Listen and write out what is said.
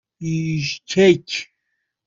بیشکک